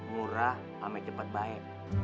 murah ama cepet baik